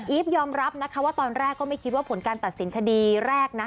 ยอมรับนะคะว่าตอนแรกก็ไม่คิดว่าผลการตัดสินคดีแรกนะ